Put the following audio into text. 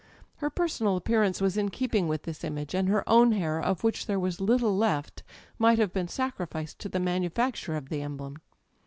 Her personal appear ance was in keeping with this image, and her own hair â€" of which there was little left â€" might have been sacri ficed to the manufacture of the emblem.